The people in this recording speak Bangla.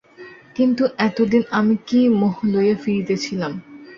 কিন্তু এতদিন আমি কী মোহ লইয়া ফিরিতেছিলাম!